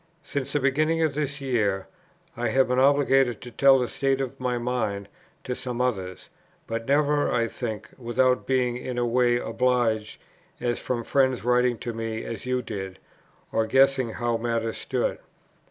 "Since the beginning of this year I have been obliged to tell the state of my mind to some others; but never, I think, without being in a way obliged, as from friends writing to me as you did, or guessing how matters stood.